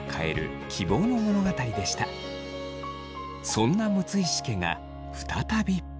そんな六石家が再び。